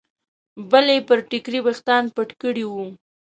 بلې پر ټیکري ویښتان پټ کړي وو.